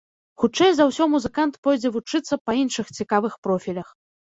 Хутчэй за ўсё музыкант пойдзе вучыцца па іншых цікавых профілях.